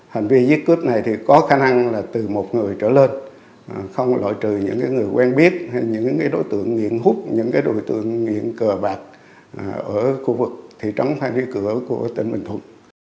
hành vi giết cướp này thì có khả năng là từ một người trở lên không lội trừ những người quen biết những đối tượng nghiện hút những đối tượng nghiện cờ bạc ở khu vực thị trấn hay phía cửa của tỉnh bình thuận